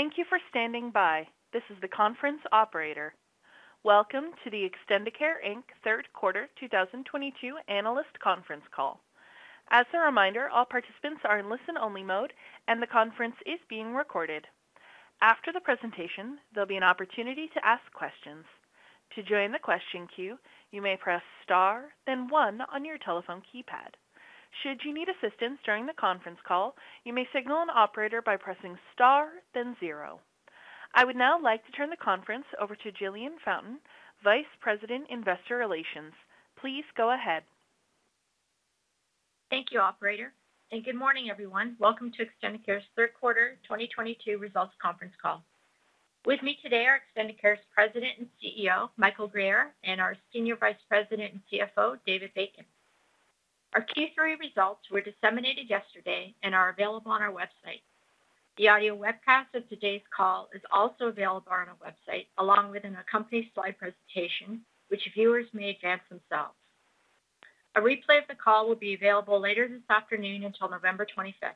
Thank you for standing by. This is the conference operator. Welcome to the Extendicare Inc. Third Quarter 2022 Analyst Conference Call. As a reminder, all participants are in listen-only mode, and the conference is being recorded. After the presentation, there'll be an opportunity to ask questions. To join the question queue, you may press star then one on your telephone keypad. Should you need assistance during the conference call, you may signal an operator by pressing star then zero. I would now like to turn the conference over to Jillian Fountain, Vice President, Investor Relations. Please go ahead. Thank you, operator, and good morning, everyone. Welcome to Extendicare's Third Quarter 2022 results conference call. With me today are Extendicare's President and CEO, Michael Guerriere, and our Senior Vice President and CFO, David Bacon. Our Q3 results were disseminated yesterday and are available on our website. The audio webcast of today's call is also available on our website, along with an accompanying slide presentation, which viewers may advance themselves. A replay of the call will be available later this afternoon until November 25th.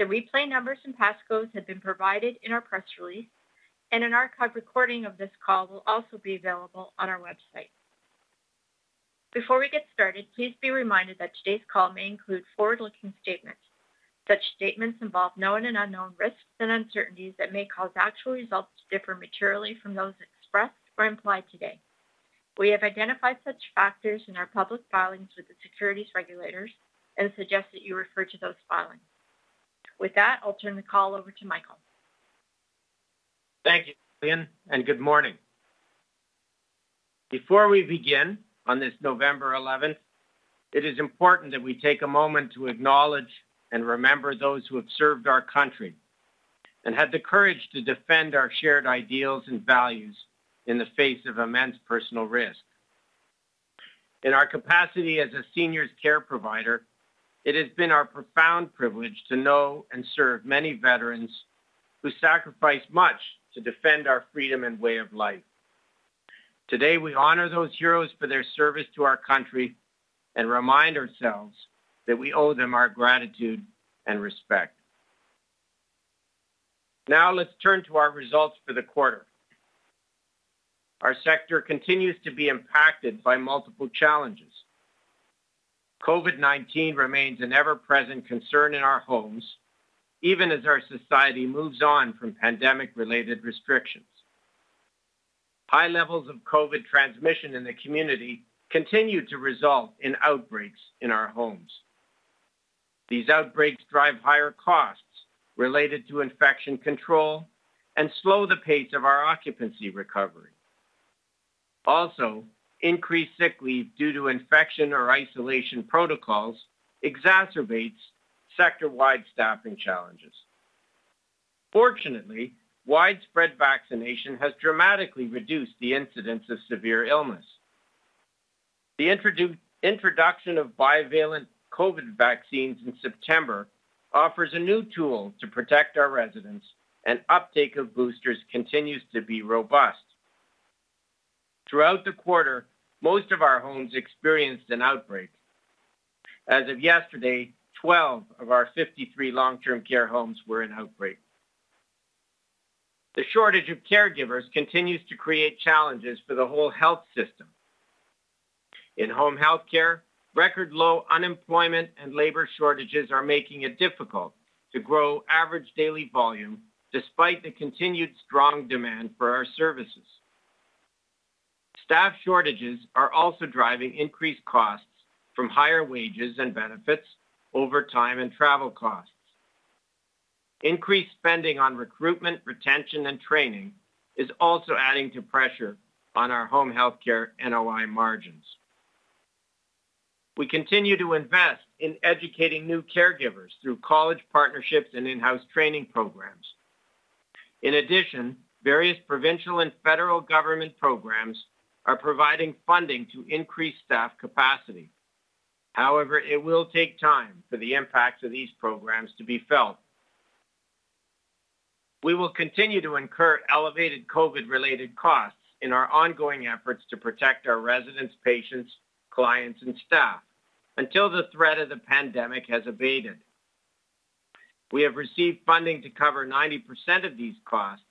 The replay numbers and passcodes have been provided in our press release, and an archived recording of this call will also be available on our website. Before we get started, please be reminded that today's call may include forward-looking statements. Such statements involve known and unknown risks and uncertainties that may cause actual results to differ materially from those expressed or implied today. We have identified such factors in our public filings with the securities regulators and suggest that you refer to those filings. With that, I'll turn the call over to Michael. Thank you, Jillian, and good morning. Before we begin on this November 11th, it is important that we take a moment to acknowledge and remember those who have served our country and had the courage to defend our shared ideals and values in the face of immense personal risk. In our capacity as a seniors care provider, it has been our profound privilege to know and serve many veterans who sacrificed much to defend our freedom and way of life. Today, we honor those heroes for their service to our country and remind ourselves that we owe them our gratitude and respect. Now, let's turn to our results for the quarter. Our sector continues to be impacted by multiple challenges. COVID-19 remains an ever-present concern in our homes, even as our society moves on from pandemic-related restrictions. High levels of COVID transmission in the community continue to result in outbreaks in our homes. These outbreaks drive higher costs related to infection control and slow the pace of our occupancy recovery. Also, increased sick leave due to infection or isolation protocols exacerbates sector-wide staffing challenges. Fortunately, widespread vaccination has dramatically reduced the incidence of severe illness. The introduction of bivalent COVID vaccines in September offers a new tool to protect our residents, and uptake of boosters continues to be robust. Throughout the quarter, most of our homes experienced an outbreak. As of yesterday, 12 of our 53 long-term care homes were in outbreak. The shortage of caregivers continues to create challenges for the whole health system. In home health care, record low unemployment and labor shortages are making it difficult to grow average daily volume despite the continued strong demand for our services. Staff shortages are also driving increased costs from higher wages and benefits over time and travel costs. Increased spending on recruitment, retention, and training is also adding to pressure on our home health care NOI margins. We continue to invest in educating new caregivers through college partnerships and in-house training programs. In addition, various provincial and federal government programs are providing funding to increase staff capacity. However, it will take time for the impacts of these programs to be felt. We will continue to incur elevated COVID-related costs in our ongoing efforts to protect our residents, patients, clients, and staff until the threat of the pandemic has abated. We have received funding to cover 90% of these costs,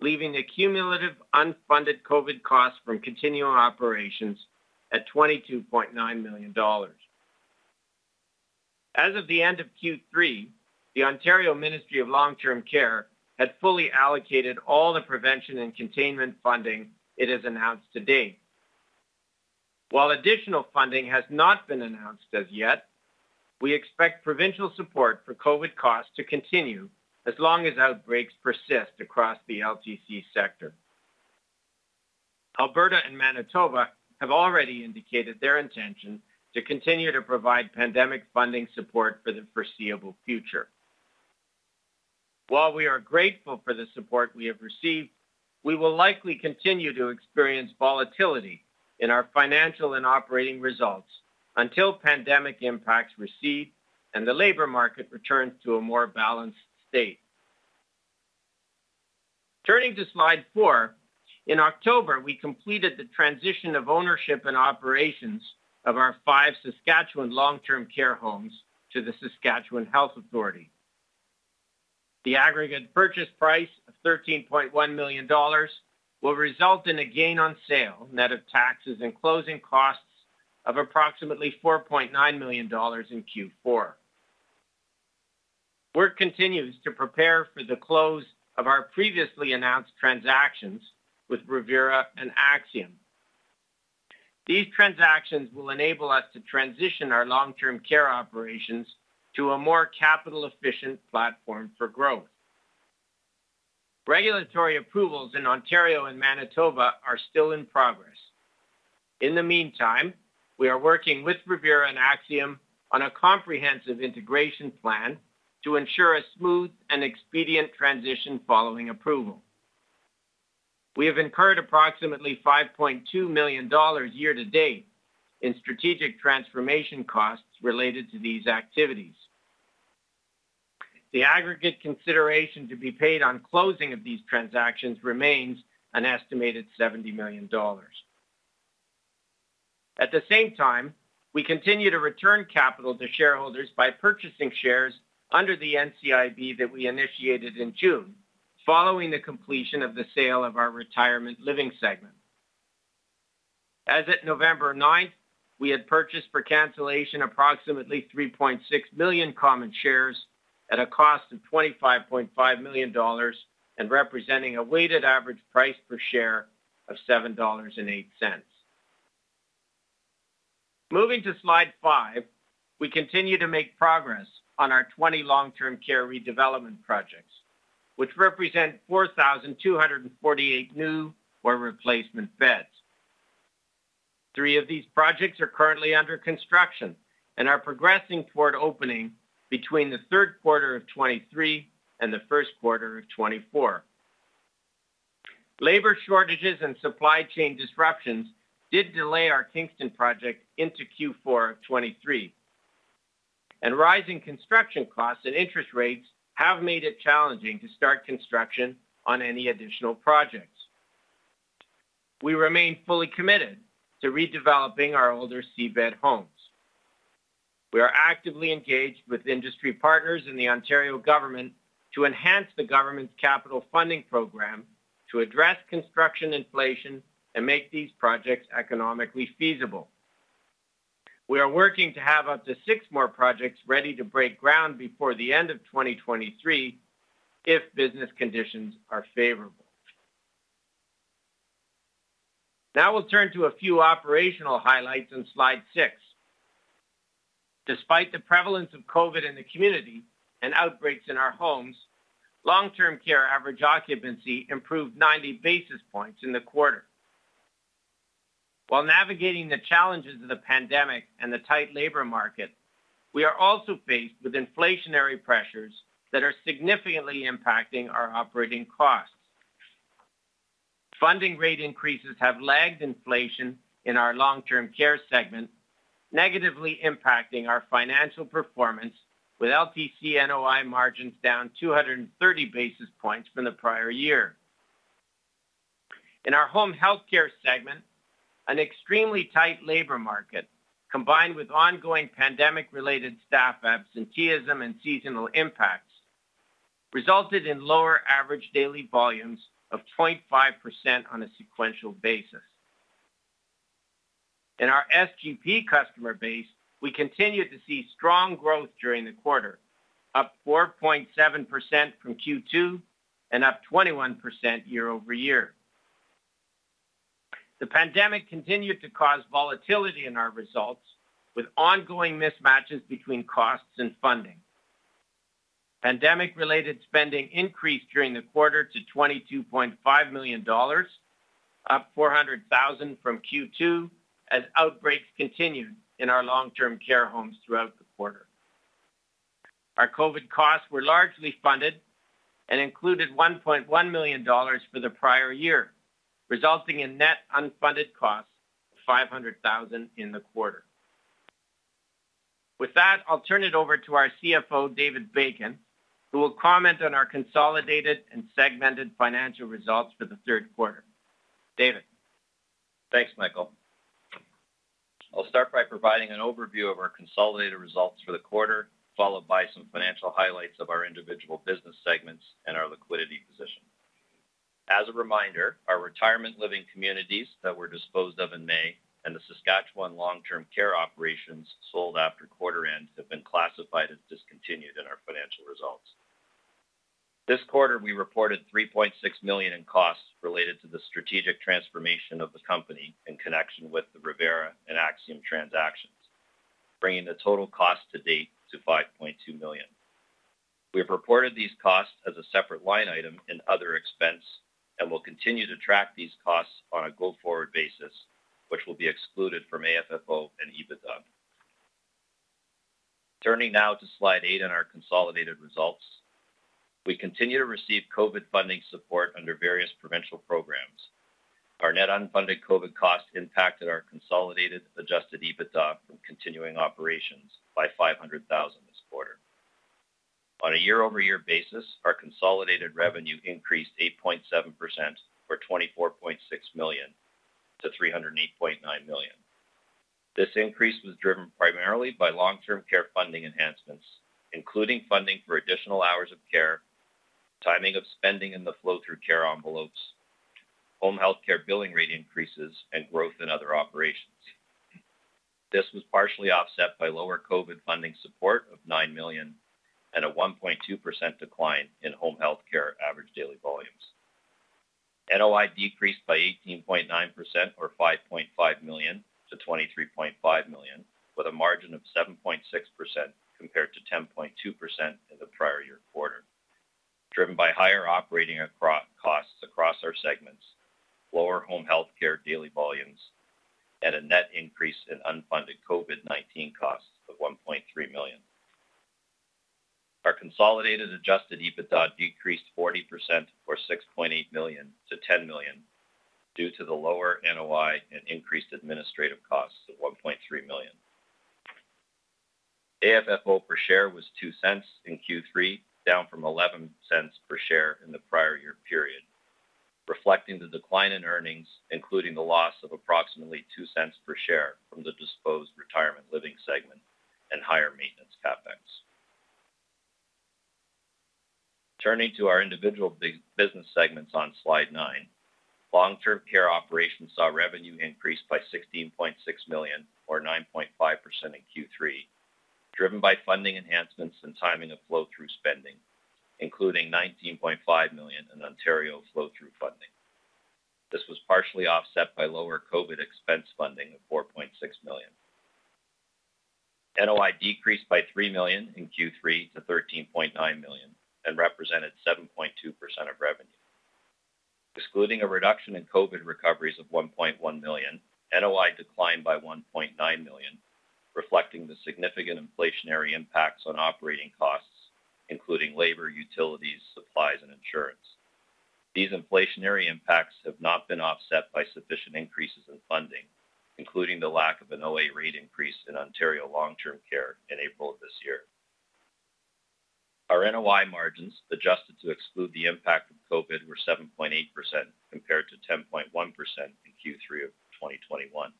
leaving a cumulative unfunded COVID cost from continuing operations at 22.9 million dollars. As of the end of Q3, the Ontario Ministry of Long-Term Care had fully allocated all the prevention and containment funding it has announced to date. While additional funding has not been announced as yet, we expect provincial support for COVID costs to continue as long as outbreaks persist across the LTC sector. Alberta and Manitoba have already indicated their intention to continue to provide pandemic funding support for the foreseeable future. While we are grateful for the support we have received, we will likely continue to experience volatility in our financial and operating results until pandemic impacts recede and the labor market returns to a more balanced state. Turning to slide four. In October, we completed the transition of ownership and operations of our five Saskatchewan long-term care homes to the Saskatchewan Health Authority. The aggregate purchase price of 13.1 million dollars will result in a gain on sale net of taxes and closing costs of approximately 4.9 million dollars in Q4. Work continues to prepare for the close of our previously announced transactions with Revera and Axium. These transactions will enable us to transition our long-term care operations to a more capital-efficient platform for growth. Regulatory approvals in Ontario and Manitoba are still in progress. In the meantime, we are working with Revera and Axium on a comprehensive integration plan to ensure a smooth and expedient transition following approval. We have incurred approximately 5.2 million dollars year-to-date in strategic transformation costs related to these activities. The aggregate consideration to be paid on closing of these transactions remains an estimated 70 million dollars. At the same time, we continue to return capital to shareholders by purchasing shares under the NCIB that we initiated in June following the completion of the sale of our retirement living segment. As of November 9, we had purchased for cancellation approximately 3.6 million common shares at a cost of 25.5 million dollars and representing a weighted average price per share of 7.08 dollars. Moving to slide five. We continue to make progress on our 20 long-term care redevelopment projects, which represent 4,248 new or replacement beds. Three of these projects are currently under construction and are progressing toward opening between the third quarter of 2023 and the first quarter of 2024. Labor shortages and supply chain disruptions did delay our Kingston project into Q4 2023, and rising construction costs and interest rates have made it challenging to start construction on any additional projects. We remain fully committed to redeveloping our older C bed homes. We are actively engaged with industry partners in the Ontario government to enhance the government's capital funding program to address construction inflation and make these projects economically feasible. We are working to have up to six more projects ready to break ground before the end of 2023 if business conditions are favorable. Now we'll turn to a few operational highlights on slide six. Despite the prevalence of COVID-19 in the community and outbreaks in our homes, long-term care average occupancy improved 90 basis points in the quarter. While navigating the challenges of the pandemic and the tight labor market, we are also faced with inflationary pressures that are significantly impacting our operating costs. Funding rate increases have lagged inflation in our long-term care segment, negatively impacting our financial performance, with LTC NOI margins down 230 basis points from the prior year. In our home health care segment, an extremely tight labor market, combined with ongoing pandemic-related staff absenteeism and seasonal impacts, resulted in lower average daily volumes of 0.5% on a sequential basis. In our SGP customer base, we continued to see strong growth during the quarter, up 4.7% from Q2 and up 21% year-over-year. The pandemic continued to cause volatility in our results with ongoing mismatches between costs and funding. Pandemic-related spending increased during the quarter to 22.5 million dollars, up 400,000 from Q2 as outbreaks continued in our long-term care homes throughout the quarter. Our COVID costs were largely funded and included 1.1 million dollars for the prior year, resulting in net unfunded costs of 500,000 in the quarter. With that, I'll turn it over to our CFO, David Bacon, who will comment on our consolidated and segmented financial results for the third quarter. David. Thanks, Michael. I'll start by providing an overview of our consolidated results for the quarter, followed by some financial highlights of our individual business segments and our liquidity position. As a reminder, our retirement living communities that were disposed of in May and the Saskatchewan long-term care operations sold after quarter end have been classified as discontinued in our financial results. This quarter, we reported 3.6 million in costs related to the strategic transformation of the company in connection with the Revera and Axium transactions, bringing the total cost to date to 5.2 million. We have reported these costs as a separate line item in other expense, and we'll continue to track these costs on a go-forward basis, which will be excluded from AFFO and EBITDA. Turning now to slide eight on our consolidated results. We continue to receive COVID funding support under various provincial programs. Our net unfunded COVID costs impacted our consolidated adjusted EBITDA from continuing operations by 500,000 this quarter. On a year-over-year basis, our consolidated revenue increased 8.7% or 24.6 million to 308.9 million. This increase was driven primarily by long-term care funding enhancements, including funding for additional hours of care, timing of spending in the flow-through care envelopes, home health care billing rate increases, and growth in other operations. This was partially offset by lower COVID funding support of 9 million and a 1.2% decline in home health care average daily volumes. NOI decreased by 18.9% or 5.5 million to 23.5 million, with a margin of 7.6% compared to 10.2% in the prior year quarter. Driven by higher operating costs across our segments, lower home health care daily volumes and a net increase in unfunded COVID-19 costs of 1.3 million. Our consolidated adjusted EBITDA decreased 40% or 6.8 million to 10 million due to the lower NOI and increased administrative costs of 1.3 million. AFFO per share was 0.02 in Q3, down from 0.11 per share in the prior year period, reflecting the decline in earnings, including the loss of approximately 0.02 per share from the disposed retirement living segment and higher maintenance CapEx. Turning to our individual business segments on slide nine. Long-term care operations saw revenue increase by 16.6 million or 9.5% in Q3, driven by funding enhancements and timing of flow-through spending, including 19.5 million in Ontario flow-through funding. This was partially offset by lower COVID expense funding of 4.6 million. NOI decreased by 3 million in Q3 to 13.9 million and represented 7.2% of revenue. Excluding a reduction in COVID recoveries of 1.1 million, NOI declined by 1.9 million, reflecting the significant inflationary impacts on operating costs, including labor, utilities, supplies, and insurance. These inflationary impacts have not been offset by sufficient increases in funding, including the lack of an OA rate increase in Ontario long-term care in April of this year. Our NOI margins, adjusted to exclude the impact of COVID, were 7.8% compared to 10.1% in Q3 of 2021.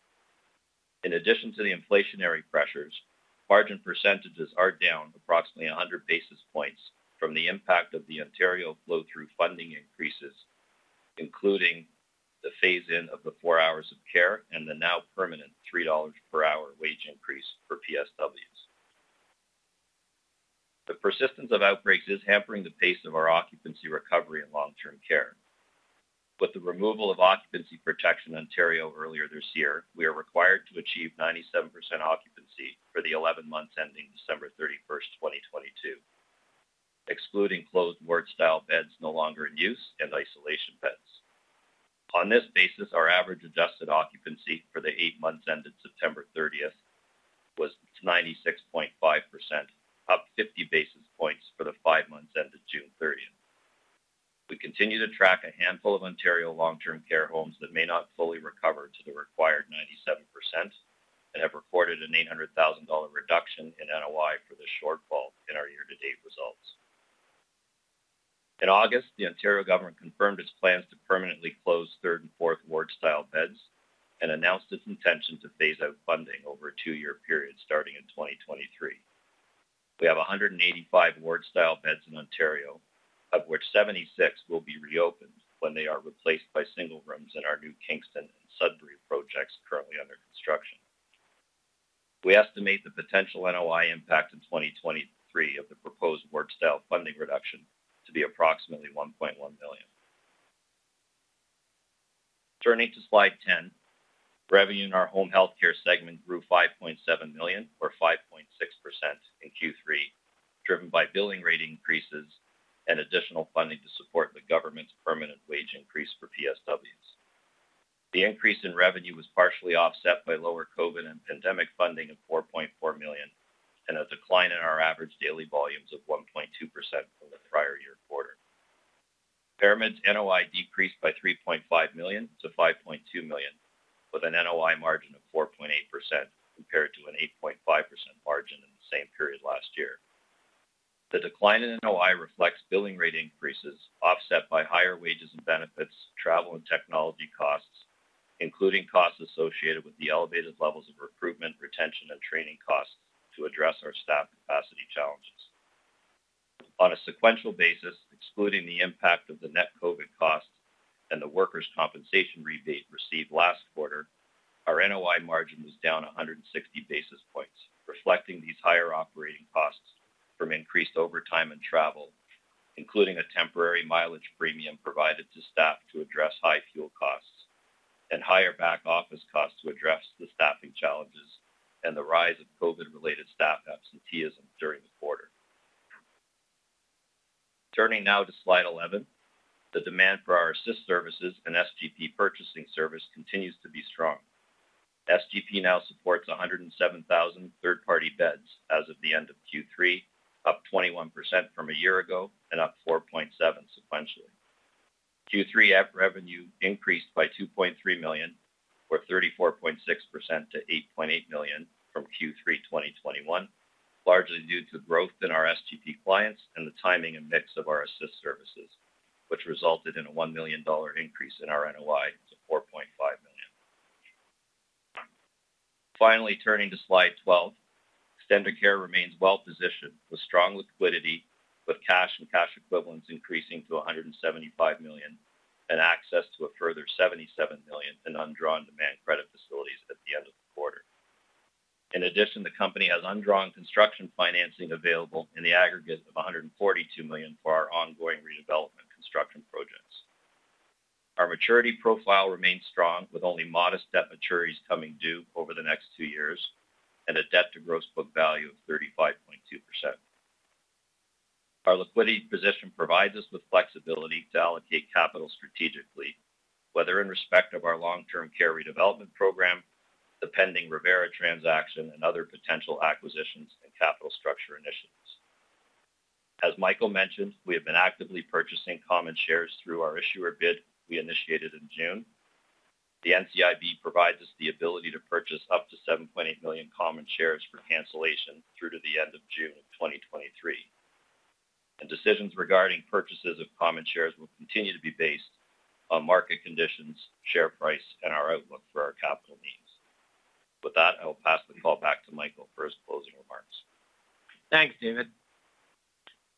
In addition to the inflationary pressures, margin percentages are down approximately 100 basis points from the impact of the Ontario flow-through funding increases, including the phase-in of the four hours of care and the now permanent 3 dollars per hour wage increase for PSWs. The persistence of outbreaks is hampering the pace of our occupancy recovery in long-term care. With the removal of occupancy protection in Ontario earlier this year, we are required to achieve 97% occupancy for the 11 months ending December 31, 2022, excluding closed ward style beds no longer in use and isolation beds. On this basis, our average adjusted occupancy for the 8 months ended September 30 was 96.5%, up 50 basis points for the five months ended June 30. We continue to track a handful of Ontario long-term care homes that may not fully recover to the required 97% and have recorded a 800,000 dollar reduction in NOI for the shortfall in our year-to-date results. In August, the Ontario government confirmed its plans to permanently close third and fourth ward-style beds and announced its intention to phase out funding over a two-year period starting in 2023. We have 185 ward-style beds in Ontario, of which 76 will be reopened when they are replaced by single rooms in our new Kingston and Sudbury projects currently under construction. We estimate the potential NOI impact in 2023 of the proposed ward style funding reduction to be approximately 1.1 million. Turning to slide 10. Revenue in our home health care segment grew 5.7 million or 5.6% in Q3, driven by billing rate increases and additional funding to support the government's permanent wage increase for PSWs. The increase in revenue was partially offset by lower COVID and pandemic funding of 4.4 million and a decline in our average daily volumes of 1.2% from the prior year quarter. ParaMed's NOI decreased by 3.5 million to 5.2 million, with an NOI margin of 4.8% compared to an 8.5% margin in the same period last year. The decline in NOI reflects billing rate increases offset by higher wages and benefits, travel and technology costs, including costs associated with the elevated levels of recruitment, retention, and training costs to address our staff capacity challenges. On a sequential basis, excluding the impact of the net COVID costs and the workers' compensation rebate received last quarter, our NOI margin was down 160 basis points, reflecting these higher operating costs from increased overtime and travel, including a temporary mileage premium provided to staff to address high fuel costs and higher back-office costs to address the staffing challenges and the rise of COVID-related staff absenteeism during the quarter. Turning now to slide 11. The demand for our Assist services and SGP purchasing service continues to be strong. SGP now supports 107,000 third-party beds as of the end of Q3, up 21% from a year ago and up 4.7% sequentially. Q3 Assist revenue increased by 2.3 million, or 34.6% to 8.8 million from Q3 2021, largely due to growth in our SGP clients and the timing and mix of our Assist services, which resulted in a 1 million dollar increase in our NOI to 4.5 million. Finally, turning to slide 12. Extendicare remains well positioned with strong liquidity, with cash and cash equivalents increasing to 175 million, and access to a further 77 million in undrawn demand credit facilities at the end of the quarter. In addition, the company has undrawn construction financing available in the aggregate of 142 million for our ongoing redevelopment construction projects. Our maturity profile remains strong, with only modest debt maturities coming due over the next two years and a debt-to-gross book value of 35.2%. Our liquidity position provides us with flexibility to allocate capital strategically, whether in respect of our long-term care redevelopment program, the pending Revera transaction, and other potential acquisitions and capital structure initiatives. As Michael mentioned, we have been actively purchasing common shares through our issuer bid we initiated in June. The NCIB provides us the ability to purchase up to 7.8 million common shares for cancellation through to the end of June 2023. Decisions regarding purchases of common shares will continue to be based on market conditions, share price, and our outlook for our capital needs. With that, I will pass the call back to Michael for his closing remarks. Thanks, David.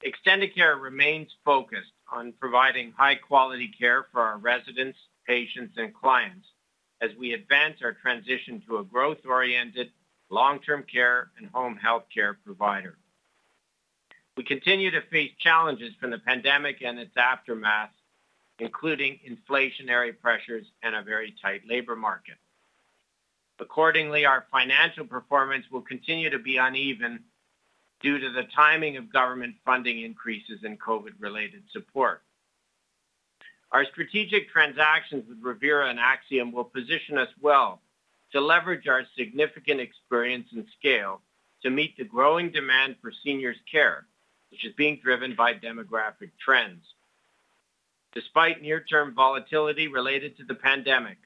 Extendicare remains focused on providing high quality care for our residents, patients and clients as we advance our transition to a growth-oriented long-term care and home health care provider. We continue to face challenges from the pandemic and its aftermath, including inflationary pressures and a very tight labor market. Accordingly, our financial performance will continue to be uneven due to the timing of government funding increases in COVID-related support. Our strategic transactions with Revera and Axium will position us well to leverage our significant experience and scale to meet the growing demand for seniors care, which is being driven by demographic trends. Despite near-term volatility related to the pandemic,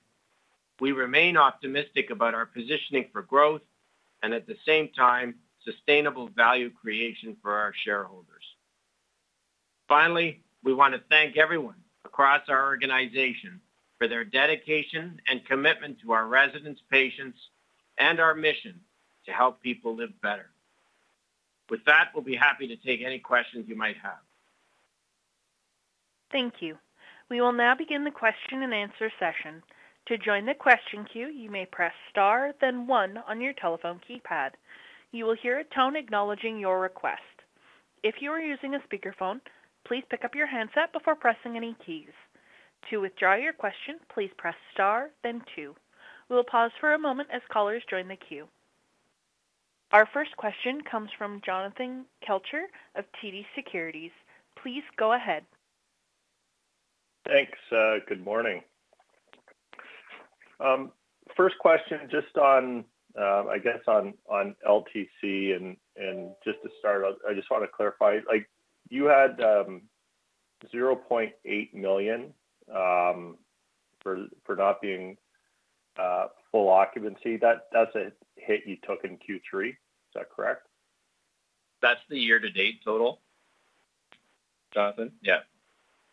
we remain optimistic about our positioning for growth and at the same time, sustainable value creation for our shareholders. Finally, we want to thank everyone across our organization for their dedication and commitment to our residents, patients, and our mission to help people live better. With that, we'll be happy to take any questions you might have. Thank you. We will now begin the question-and-answer session. To join the question queue, you may press star then one on your telephone keypad. You will hear a tone acknowledging your request. If you are using a speakerphone, please pick up your handset before pressing any keys. To withdraw your question, please press star then two. We will pause for a moment as callers join the queue. Our first question comes from Jonathan Kelcher of TD Securities. Please go ahead. Thanks. Good morning. First question, just on, I guess on LTC and just to start out, I just want to clarify. Like, you had 0.8 million for not being full occupancy. That's a hit you took in Q3. Is that correct? That's the year-to-date total. Jonathan? Yeah.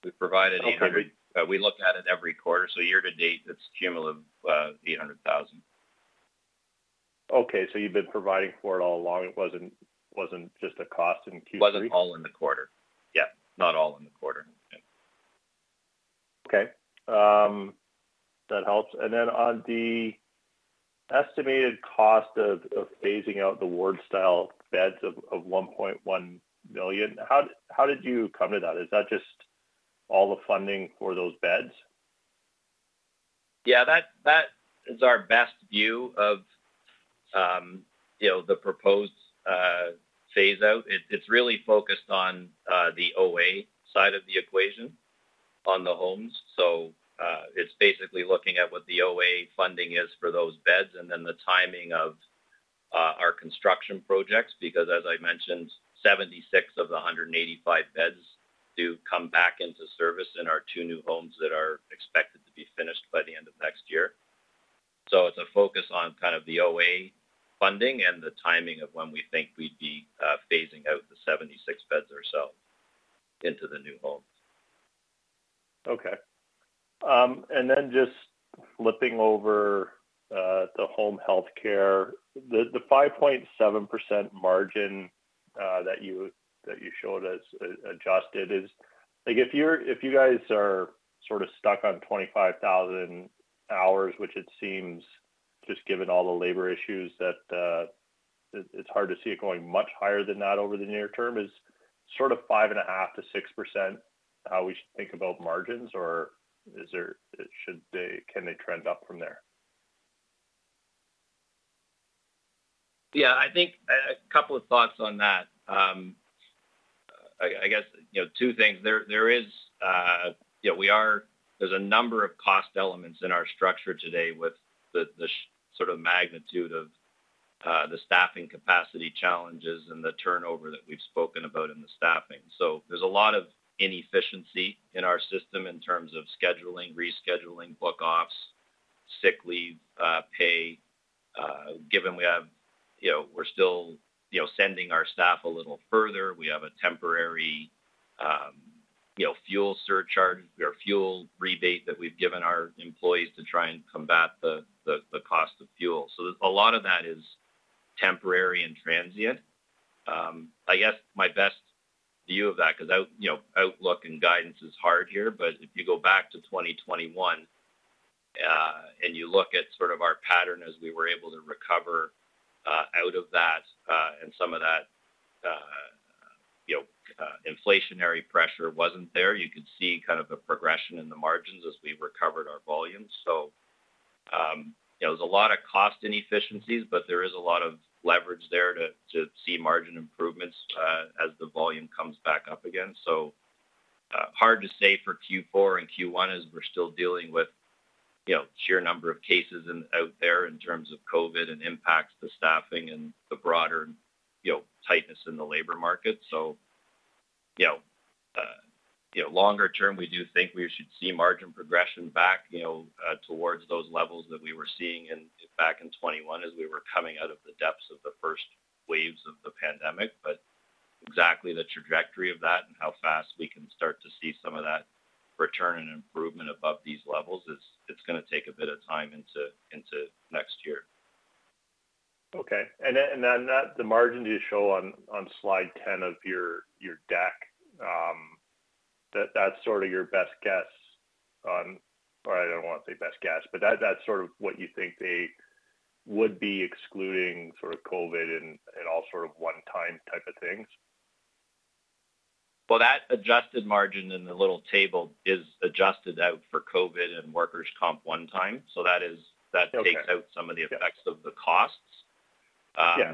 We provide it every— We look at it every quarter. Year-to-date, it's a cumulative 800,000. Okay. You've been providing for it all along. It wasn't just a cost in Q3? It wasn't all in the quarter. Yeah. Not all in the quarter. Yeah. Okay. That helps. Then on the estimated cost of phasing out the ward-style beds of 1.1 million, how did you come to that? Is that just all the funding for those beds? Yeah, that is our best view of, you know, the proposed phase out. It's really focused on the OA side of the equation on the homes. It's basically looking at what the OA funding is for those beds and then the timing of our construction projects, because as I mentioned, 76 of the 185 beds do come back into service in our two new homes that are expected to be finished by the end of next year. It's a focus on kind of the OA funding and the timing of when we think we'd be phasing out the 76 beds or so into the new homes. Okay. Just flipping over, the home health care. The 5.7% margin that you showed as adjusted is. Like if you guys are sort of stuck on 25,000 hours, which it seems just given all the labor issues that it's hard to see it going much higher than that over the near term. Is 5.5%-6% how we should think about margins? Or can they trend up from there? Yeah. I think a couple of thoughts on that. I guess, you know, two things. There is, you know, There's a number of cost elements in our structure today with the sort of magnitude of the staffing capacity challenges and the turnover that we've spoken about in the staffing. There's a lot of inefficiency in our system in terms of scheduling, rescheduling, book offs, sick leave, pay, given we have, you know, we're still, you know, sending our staff a little further. We have a temporary, you know, fuel surcharge or fuel rebate that we've given our employees to try and combat the cost of fuel. A lot of that is temporary and transient. I guess my best view of that, 'cause, you know, outlook and guidance is hard here, but if you go back to 2021, and you look at sort of our pattern as we were able to recover, out of that and some of that, you know, inflationary pressure wasn't there. You could see kind of a progression in the margins as we recovered our volumes. There was a lot of cost inefficiencies, but there is a lot of leverage there to see margin improvements as the volume comes back up again. Hard to say for Q4 and Q1 as we're still dealing with, you know, sheer number of cases out there in terms of COVID and impacts to staffing and the broader, you know, tightness in the labor market. You know, longer term, we do think we should see margin progression back, you know, towards those levels that we were seeing back in 2021 as we were coming out of the depths of the first waves of the pandemic. Exactly the trajectory of that and how fast we can start to see some of that return and improvement above these levels is it's gonna take a bit of time into next year. Okay. The margin you show on slide 10 of your deck, that's sort of your best guess. I don't want to say best guess, but that's sort of what you think they would be excluding sort of COVID and all sort of one-time type of things? Well, that adjusted margin in the little table is adjusted out for COVID and workers' comp one time. That takes out some of the effects of the costs. Yeah.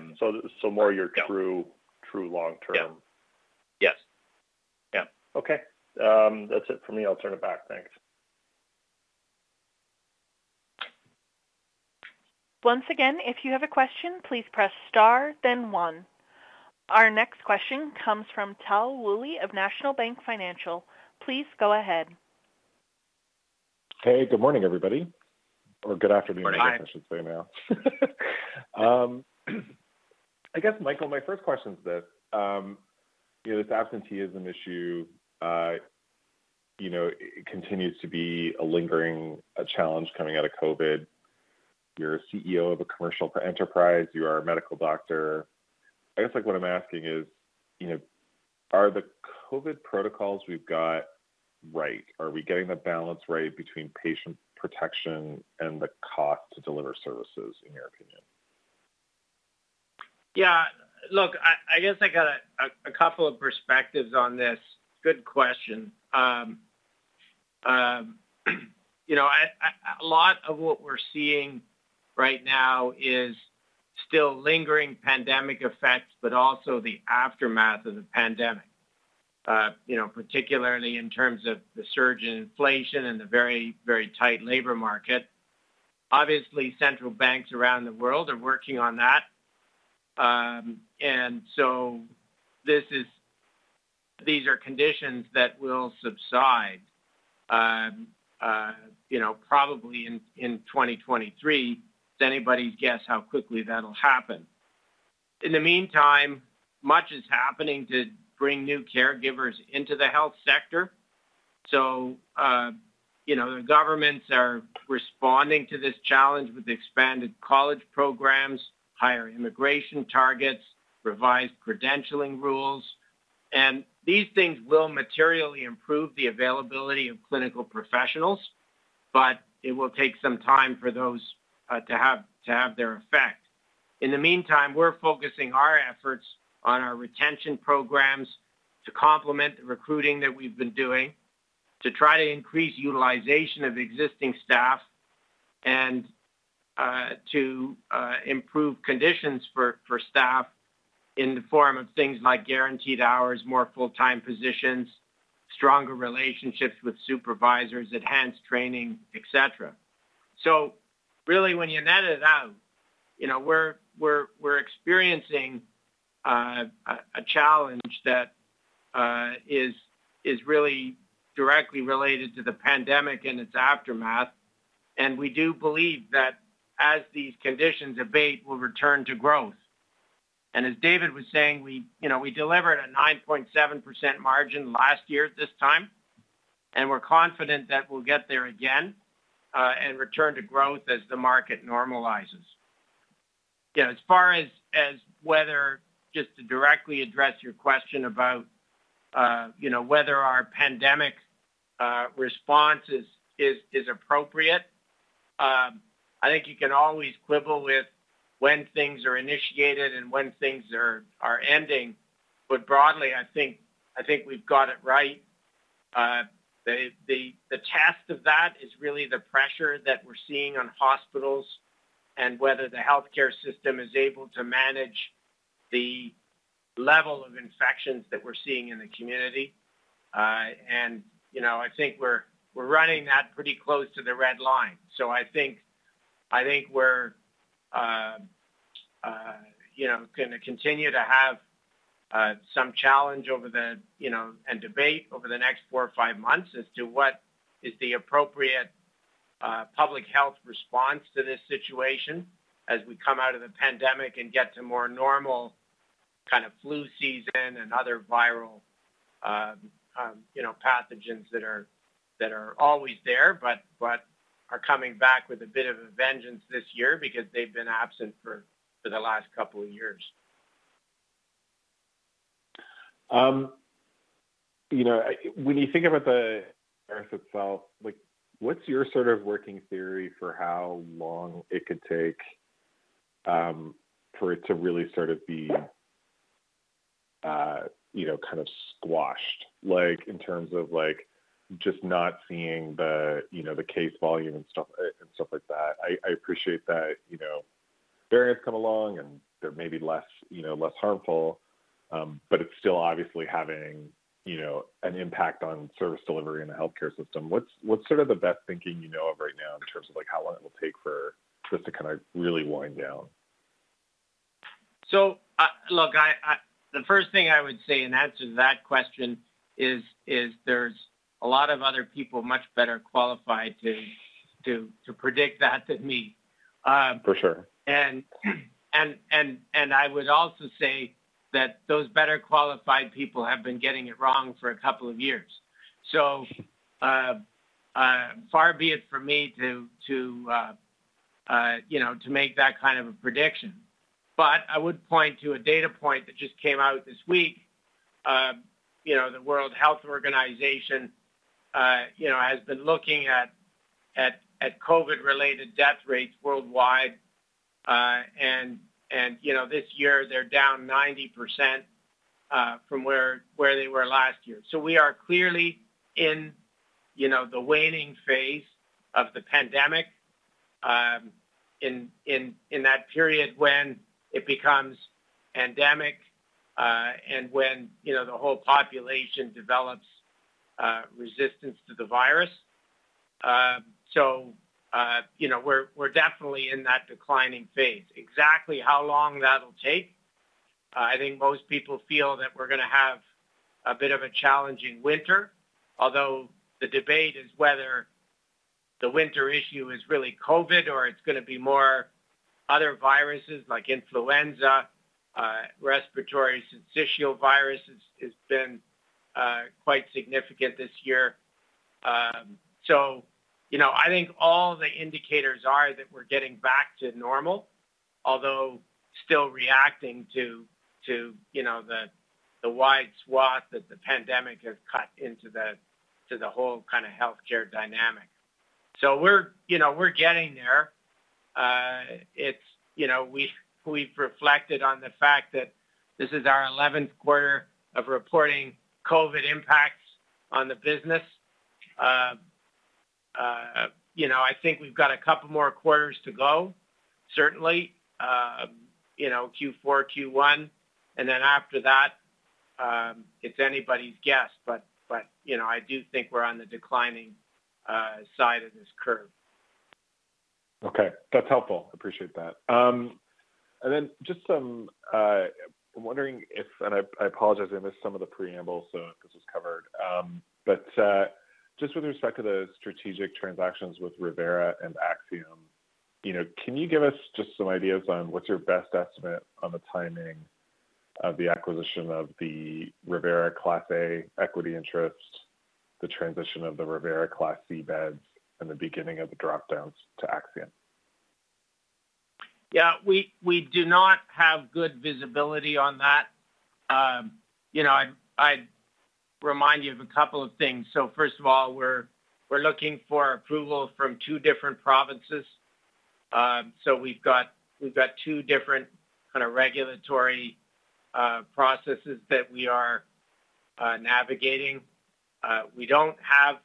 More your true long-term. Yeah. Yes. Yeah. Okay. That's it for me. I'll turn it back. Thanks. Once again, if you have a question, please press star then one. Our next question comes from Tal Woolley of National Bank Financial. Please go ahead. Hey, good morning, everybody, or good afternoon. I should say now. I guess, Michael, my first question is this, you know, this absenteeism issue, you know, continues to be a lingering challenge coming out of COVID. You're a CEO of a commercial enterprise. You are a medical doctor. I guess, like, what I'm asking is, you know, are the COVID protocols we've got right? Are we getting the balance right between patient protection and the cost to deliver services, in your opinion? Yeah. Look, I guess I got a couple of perspectives on this. Good question. You know, a lot of what we're seeing right now is still lingering pandemic effects, but also the aftermath of the pandemic, you know, particularly in terms of the surge in inflation and the very, very tight labor market. Obviously, central banks around the world are working on that. These are conditions that will subside, you know, probably in 2023. It's anybody's guess how quickly that'll happen. In the meantime, much is happening to bring new caregivers into the health sector. You know, the governments are responding to this challenge with expanded college programs, higher immigration targets, revised credentialing rules. These things will materially improve the availability of clinical professionals, but it will take some time for those to have their effect. In the meantime, we're focusing our efforts on our retention programs to complement the recruiting that we've been doing, to try to increase utilization of existing staff and to improve conditions for staff in the form of things like guaranteed hours, more full-time positions, stronger relationships with supervisors, enhanced training, etc. Really, when you net it out, you know, we're experiencing a challenge that is really directly related to the pandemic and its aftermath. We do believe that as these conditions abate, we'll return to growth. As David was saying, we you know we delivered a 9.7% margin last year at this time, and we're confident that we'll get there again, and return to growth as the market normalizes. You know, as far as whether just to directly address your question about you know whether our pandemic response is appropriate, I think you can always quibble with when things are initiated and when things are ending. Broadly, I think we've got it right. The test of that is really the pressure that we're seeing on hospitals and whether the healthcare system is able to manage the level of infections that we're seeing in the community. You know, I think we're running that pretty close to the red line. I think we're you know gonna continue to have some challenge over the you know and debate over the next four or five months as to what is the appropriate public health response to this situation as we come out of the pandemic and get to more normal kind of flu season and other viral you know pathogens that are always there but are coming back with a bit of a vengeance this year because they've been absent for the last couple of years. You know, when you think about the herd itself, like what's your sort of working theory for how long it could take for it to really sort of be, you know, kind of squashed, like, in terms of like just not seeing the, you know, the case volume and stuff and stuff like that. I appreciate that, you know, variants come along and they're maybe less, you know, less harmful, but it's still obviously having, you know, an impact on service delivery in the healthcare system. What's sort of the best thinking you know of right now in terms of like how long it will take for this to kinda really wind down? Look, the first thing I would say in answer to that question is there's a lot of other people much better qualified to predict that than me. I would also say that those better qualified people have been getting it wrong for a couple of years. Far be it for me to you know to make that kind of a prediction. I would point to a data point that just came out this week. You know the World Health Organization you know has been looking at COVID-related death rates worldwide. You know this year they're down 90% from where they were last year. We are clearly in you know the waning phase of the pandemic in that period when it becomes endemic and when you know the whole population develops resistance to the virus. You know we're definitely in that declining phase. Exactly how long that'll take, I think most people feel that we're gonna have a bit of a challenging winter. Although the debate is whether the winter issue is really COVID or it's gonna be more other viruses like influenza, respiratory syncytial virus has been quite significant this year. You know, I think all the indicators are that we're getting back to normal, although still reacting to you know, the wide swath that the pandemic has cut into the whole kinda healthcare dynamic. We're getting there. It's you know, we've reflected on the fact that this is our eleventh quarter of reporting COVID impacts on the business. You know, I think we've got a couple more quarters to go, certainly. You know, Q4, Q1, and then after that, it's anybody's guess, but you know, I do think we're on the declining side of this curve. Okay. That's helpful. Appreciate that. I apologize, I missed some of the preamble, so this was covered. Just with respect to the strategic transactions with Revera and Axium, you know, can you give us just some ideas on what's your best estimate on the timing of the acquisition of the Revera Class A equity interest, the transition of the Revera Class C beds, and the beginning of the drop-downs to Axium? Yeah. We do not have good visibility on that. You know, I'd remind you of a couple of things. First of all, we're looking for approval from two different provinces. We've got two different kind of regulatory processes that we are navigating. We don't have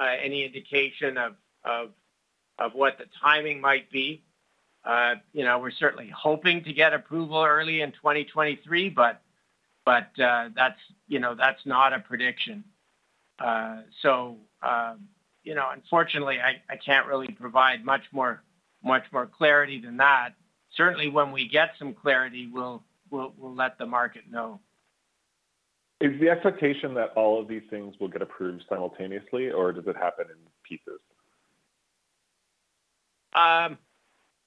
any indication of what the timing might be. You know, we're certainly hoping to get approval early in 2023, but that's, you know, that's not a prediction. You know, unfortunately, I can't really provide much more clarity than that. Certainly, when we get some clarity, we'll let the market know. Is the expectation that all of these things will get approved simultaneously, or does it happen in pieces?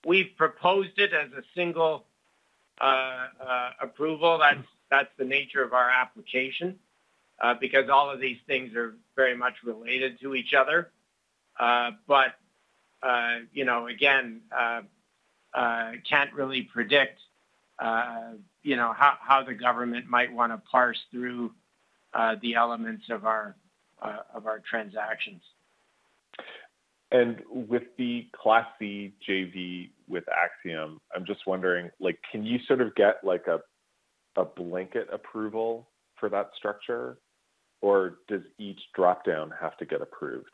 We've proposed it as a single approval. That's the nature of our application because all of these things are very much related to each other. You know, again, can't really predict, you know, how the government might wanna parse through the elements of our transactions. With the Class C JV with Axium, I'm just wondering, like, can you sort of get like a blanket approval for that structure, or does each drop-down have to get approved?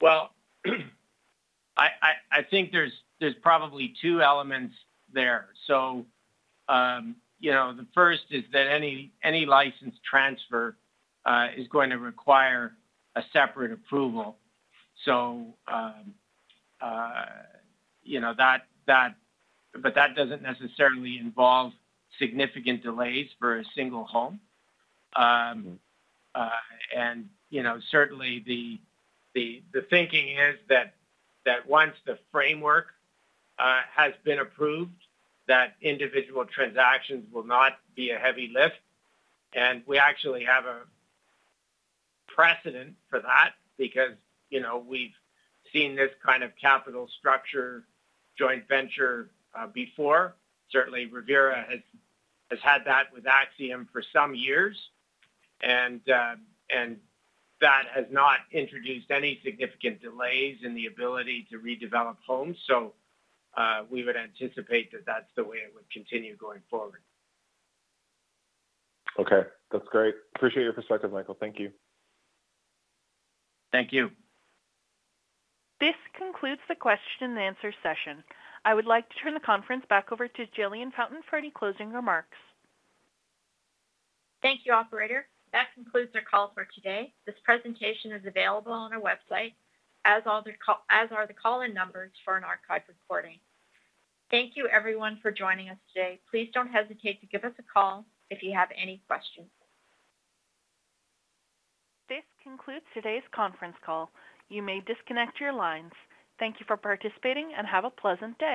Well, I think there's probably two elements there. You know, the first is that any license transfer is going to require a separate approval. You know, that doesn't necessarily involve significant delays for a single home. You know, certainly the thinking is that once the framework has been approved, that individual transactions will not be a heavy lift. We actually have a precedent for that because you know, we've seen this kind of capital structure joint venture before. Certainly, Revera has had that with Axium for some years. That has not introduced any significant delays in the ability to redevelop homes. We would anticipate that that's the way it would continue going forward. Okay, that's great. Appreciate your perspective, Michael. Thank you. Thank you. This concludes the question and answer session. I would like to turn the conference back over to Jillian Fountain for any closing remarks. Thank you, operator. That concludes our call for today. This presentation is available on our website, as are the call-in numbers for an archived recording. Thank you everyone for joining us today. Please don't hesitate to give us a call if you have any questions. This concludes today's conference call. You may disconnect your lines. Thank you for participating, and have a pleasant day.